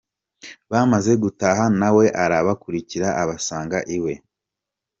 Bamaze gutaha, na we arabakurikira abasanga iwe.